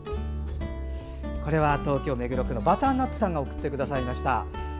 これは東京都目黒区のバターナッツさんが送ってくださいました。